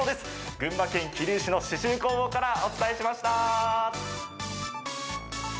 群馬県桐生市の刺しゅう工房からお伝えしました。